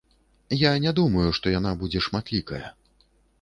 Я не думаю, што яна будзе шматлікая.